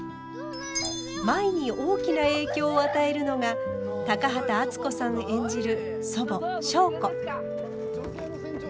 舞に大きな影響を与えるのが高畑淳子さん演じる祖母祥子。